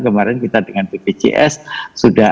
kemarin kita dengan bpjs sudah